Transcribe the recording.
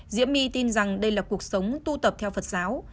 diễm my tin rằng đây là cuộc sống tu tập theo phật giáo